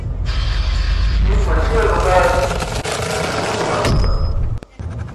Pʰin mac̣ʰiyar nukaarc handiś imanum juwan.